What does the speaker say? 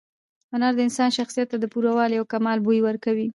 هنر د انسان شخصیت ته د پوره والي او کمال بوی ورکوي.